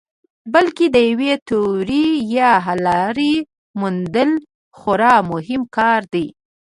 بلکې د یوې تیورۍ یا حللارې موندل خورا مهم کار دی.